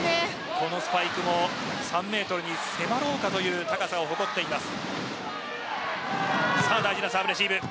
このスパイクも３メートルに迫ろうかという高さを誇っています。